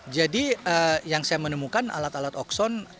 jadi yang saya menemukan alat alat okson